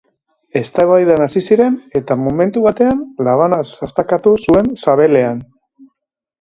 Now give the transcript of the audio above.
Eztabaidan hasi ziren, eta momentu batean labanaz sastakatu zuen sabelean.